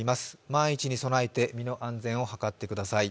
万一に備えて身の安全を図ってください。